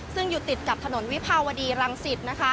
ซึ่งอยู่ติดกับถนนวิภาวดีรังสิต